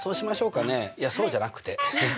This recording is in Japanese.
いやそうじゃなくて！